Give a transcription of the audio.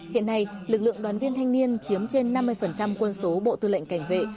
hiện nay lực lượng đoàn viên thanh niên chiếm trên năm mươi quân số bộ tư lệnh cảnh vệ